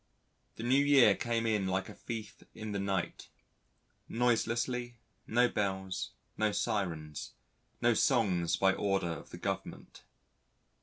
The New Year came in like a thief in the night noiselessly; no bells, no syrens, no songs by order of the Government.